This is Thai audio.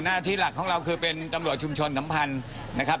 หน้าที่หลักของเราคือเป็นตำรวจชุมชนสัมพันธ์นะครับ